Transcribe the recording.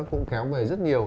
cũng kéo về rất nhiều